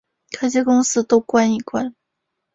科技公司都关一关